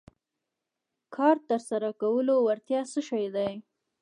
کار تر سره کولو وړتیا څه شی دی.